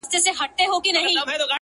• پسله كلونه چي جانان تـه ورځـي ـ